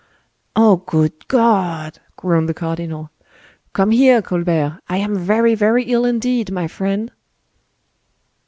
"Oh, good God!" groaned the cardinal. "Come here, Colbert, I am very, very ill indeed, my friend."